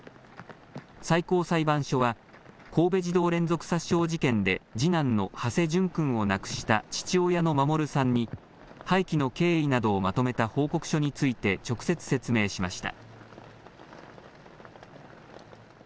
最高裁判所は、神戸児童連続殺傷事件で次男の土師淳君を亡くした父親の守さんに、廃棄の経緯などをまとめた報告書について直接説明しました。